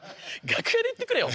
楽屋で言ってくれよ。